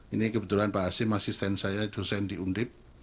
ini kebetulan pak hasim asisten saya dosen di undip